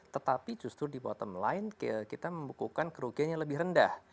tetapi justru di bottom line kita membukukan kerugian yang lebih rendah